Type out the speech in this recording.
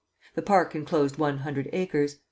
The park enclosed one hundred acres.